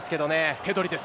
ペドリです。